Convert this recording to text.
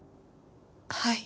はい。